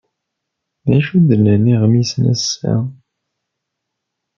D acu d-nnan yiɣmisen ass-a?